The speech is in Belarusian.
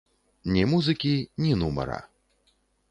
Ні музыкі, ні нумара.